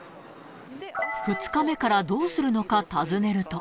２日目からどうするのか尋ねると。